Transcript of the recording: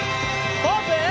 ポーズ！